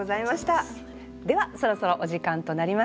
ではそろそろお時間となりました。